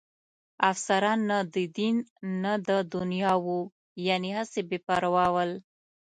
افسران نه د دین نه د دنیا وو، یعنې هسې بې پروا ول.